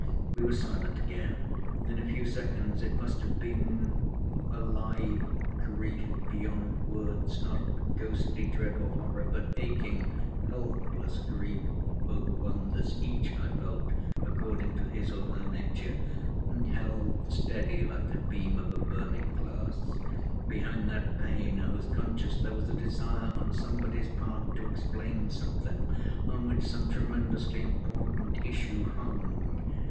We were silent again, and, in a few seconds it must have been, a live grief beyond words—not ghostly dread or horror, but aching, helpless grief—overwhelmed us, each, I felt, according to his or her nature, and held steady like the beam of a burning glass. Behind that pain I was conscious there was a desire on somebody's part to explain something on which some tremendously important issue hung.